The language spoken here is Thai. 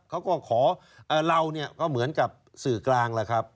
เขาก็ขอเราก็เหมือนกับสื่อกลาง